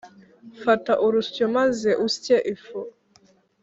fata urusyo maze usye ifu,